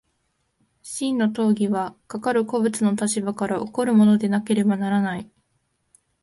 真の当為はかかる個物の立場から起こるものでなければならない。